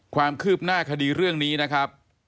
ความคืบหน้าคดีเรื่องนี้นะครับ